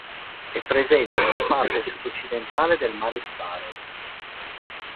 È presente nella parte sudoccidentale del mare di Barents.